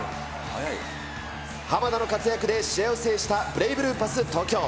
濱田の活躍で試合を制したブレイブルーパス東京。